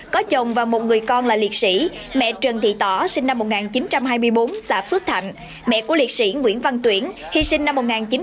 có chồng và một người con là liệt sĩ mẹ trần thị tỏ sinh năm một nghìn chín trăm hai mươi bốn xã phước thạnh mẹ của liệt sĩ nguyễn văn tuyển hy sinh năm một nghìn chín trăm bảy mươi